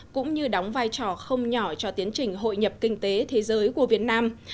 cũng như đóng vai trò không nhỏ cho tiến trình hội nhập kinh tế thế giới của việt nam